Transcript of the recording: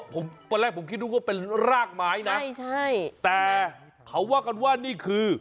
ผมตอนแรกผมคิดว่าเป็นรากไม้นะใช่ใช่แต่เขาว่ากันว่านี่คือ